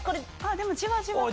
でもじわじわと。